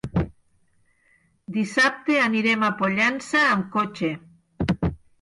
Dissabte anirem a Pollença amb cotxe.